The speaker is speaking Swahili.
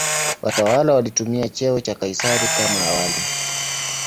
Watawala walitumia cheo cha "Kaisari" kama awali.